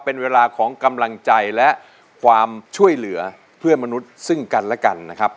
เป็นเวลาของกำลังใจและความช่วยเหลือเพื่อนมนุษย์ซึ่งกันและกันนะครับ